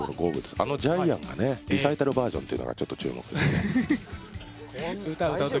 あのジャイアンがね、リサイタルバージョンというのがちょっと注目ですね。